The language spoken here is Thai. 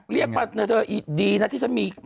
เรียกมาเธอดีนะที่ฉันมี